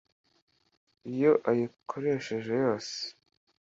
Iyo ayikoresheje yose